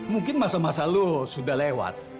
mungkin masa masa lo sudah lewat